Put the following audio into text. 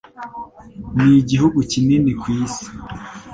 Ni igihugu kinini ku isi